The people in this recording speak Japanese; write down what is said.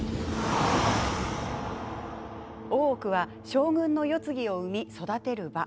大奥は、将軍の世継ぎを産み育てる場。